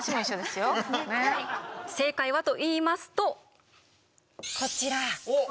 正解はといいますとこちら。おっ。